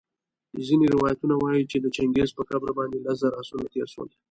ځیني روایتونه وايي چي د چنګیز په قبر باندي لس زره آسونه تېرسول